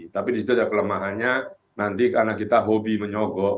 tapi disitu ada kelemahannya nanti karena kita hobi menyogok